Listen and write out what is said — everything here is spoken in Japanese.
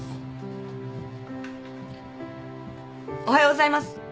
おはようございます。